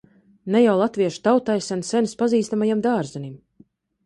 Ne jau latviešu tautai sen senis pazīstamajam dārzenim.